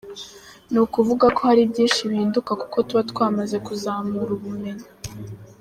Ni ukuvuga ko hari byinshi bihinduka kuko tuba twamaze kuzamura ubumenyi.